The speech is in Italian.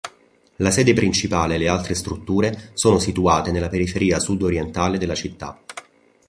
La sede principale e le altre strutture sono situate nella periferia sud-orientale della città.